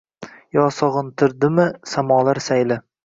Yo sog‘intirdimi samolar sayli